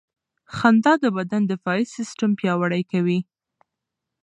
خندا د بدن دفاعي سیستم پیاوړی کوي.